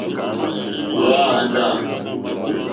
Hwá āŋɡâ.